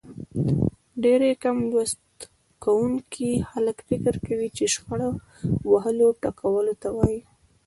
ډېری کم لوست کوونکي خلک فکر کوي چې شخړه وهلو ټکولو ته وايي.